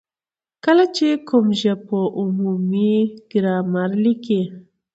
کله چي کوم ژبپوه عمومي ګرامر ليکي،